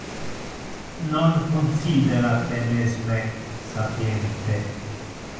Non considera te mesme sapiente.